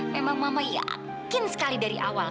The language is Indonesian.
memang mama yakin sekali dari awal